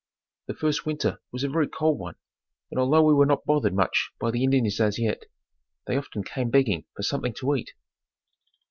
The first winter was a very cold one and although we were not bothered much by the Indians as yet, they often came begging for something to eat.